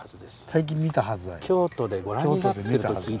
最近見たはずだよ。